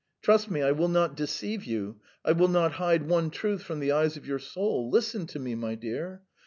"Trust me, I will not deceive you, I will not hide one truth from the eyes of your soul. Listen to me, my dear.